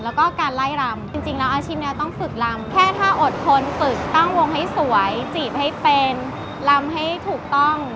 แล้วก็การไล่รำจริงแล้วอาชีพนี้ต้องฝึกลำแค่ถ้าอดทนฝึกตั้งวงให้สวยจีบให้เป็นลำให้ถูกต้อง